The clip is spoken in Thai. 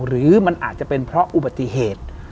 หรือมันอาจจะเป็นเพราะอุบัติเหตุ